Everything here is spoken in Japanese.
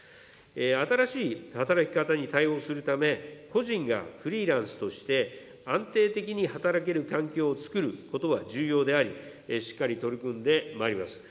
新しい働き方に対応するため、個人がフリーランスとして安定的に働ける環境をつくることは重要であり、しっかり取り組んでまいります。